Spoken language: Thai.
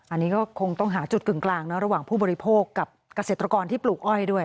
อันนี้ก็คงต้องหาจุดกึ่งกลางนะระหว่างผู้บริโภคกับเกษตรกรที่ปลูกอ้อยด้วย